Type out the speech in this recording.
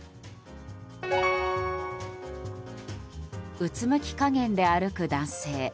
うつむき加減で歩く男性。